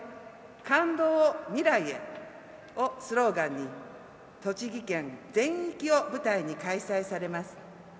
感動を未来へ。」をスローガンに栃木県全域を舞台に開催されます。